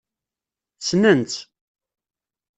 Ssnen-tt.